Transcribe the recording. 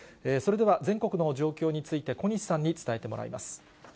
それでは全国の状況について、小西さんに伝えてもらいます。